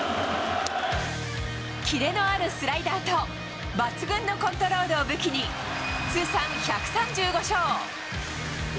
キレのあるスライダーと、抜群のコントロールを武器に、通算１３５勝。